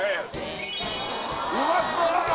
うまそう！